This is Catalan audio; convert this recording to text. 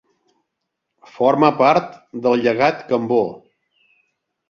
Forma part del Llegat Cambó.